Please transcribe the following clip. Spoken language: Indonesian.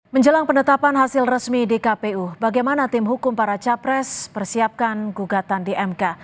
menjelang penetapan hasil resmi di kpu bagaimana tim hukum para capres persiapkan gugatan di mk